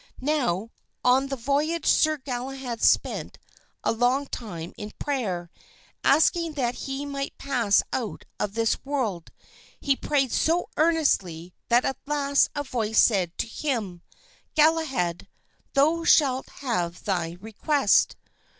Now, on the voyage Sir Galahad spent a long time in prayer, asking that he might pass out of this world; he prayed so earnestly that at last a voice said to him, "Galahad, thou shalt have thy request."